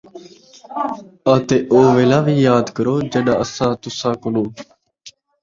اَتے او ویلا وِی یاد کرو ڄَݙاں اَساں تُساں کنوں